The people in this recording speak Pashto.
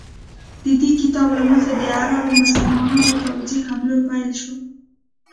د دې کتاب له مخې د عرب مسلمانانو پوځي حملو پیل شو.